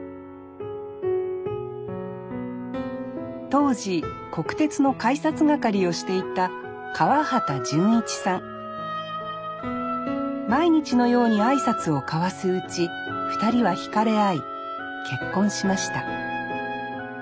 当時国鉄の改札係をしていた毎日のように挨拶を交わすうち２人は惹かれ合い結婚しました